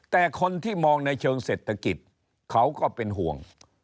แต่คนที่มองในเชิงเศรษฐกิจเขาก็เป็นห่วง